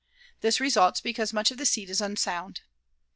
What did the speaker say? This results because much of the seed is unsound.